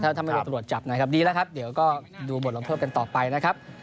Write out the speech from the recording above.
ถ้าไม่ตรวจจับดีแล้วครับ